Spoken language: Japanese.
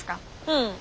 うん。